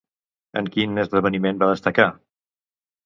En quin esdeveniment va destacar?